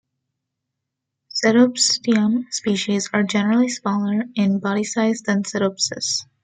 "Cetopsidium" species are generally smaller in body size than "Cetopsis".